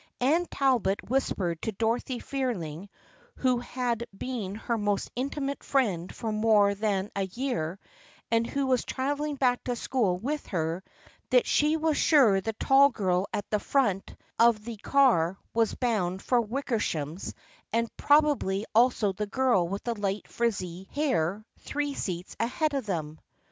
Anne Talbot whispered to Dorothy Fearing, who had been her most intimate friend for more than a year and who was traveling back to school with her, that she was sure the tall girl at the front of 24 THE FKIENDSHIP OF ANNE the car was bound for Wickersham's and probably also the girl with the light frizzy hair three seats ahead of them.